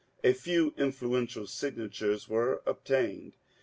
A few influeur tial signatures were obtained.